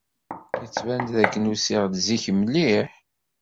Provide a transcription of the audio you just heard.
Yettban-d d akken usiɣ-d zik mliḥ.